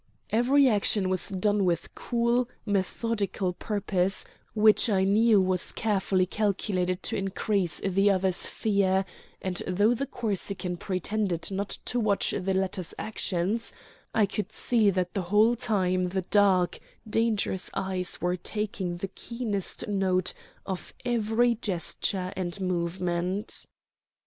Every action was done with cool, methodical purpose, which I knew was carefully calculated to increase the other's fear; and though the Corsican pretended not to watch the latter's actions, I could see that the whole time the dark, dangerous eyes were taking the keenest note of every gesture and movement.